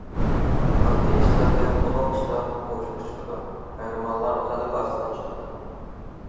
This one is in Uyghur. ئاددىي ئىشلاردىن ئۇلۇغ ئىشلار ۋۇجۇدقا چىقىدۇ، قەھرىمانلار خەلق ئارىسىدىن چىقىدۇ.